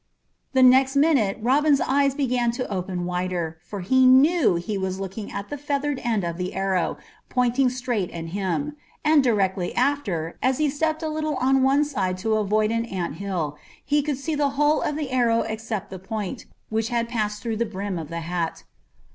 The next minute Robin's eyes began to open wider, for he knew that he was looking at the feathered end of the arrow, pointing straight at him; and directly after, as he stepped a little on one side to avoid an ant hill, he could see the whole of the arrow except the point, which had passed through the brim of the hat.